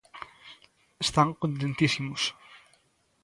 Están contentísimos.